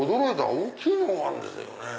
大きいのもあるんですね。